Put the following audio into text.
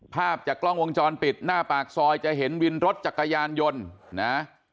ภาพจากกล้องวงจรปิดหน้าปากซอยจะเห็นวินรถจักรยานยนต์นะ